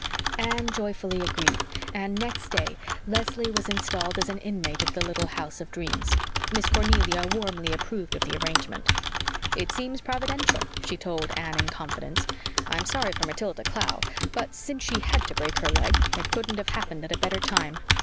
Anne joyfully agreed, and next day Leslie was installed as an inmate of the little house of dreams. Miss Cornelia warmly approved of the arrangement. "It seems Providential," she told Anne in confidence. "I'm sorry for Matilda Clow, but since she had to break her leg it couldn't have happened at a better time.